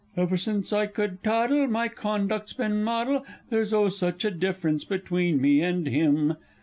_ Ever since I could toddle, my conduct's been model, There's, oh, such a difference between me and him!